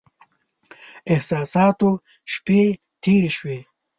احساساتو شپې تېرې شوې.